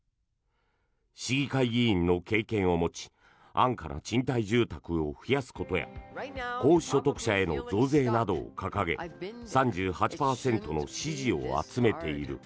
市議会議員の経験を持ち安価な賃貸住宅を増やすことや高所得者への増税などを掲げ３８％の支持を集めている。